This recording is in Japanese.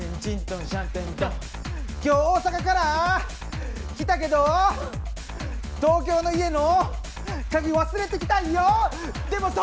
今日大阪から来たけど東京の家の鍵忘れてきたんよ。